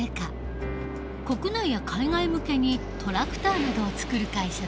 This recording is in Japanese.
国内や海外向けにトラクターなどを作る会社だ。